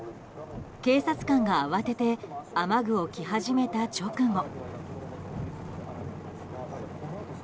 警察官が慌てて雨具を着始めた直後。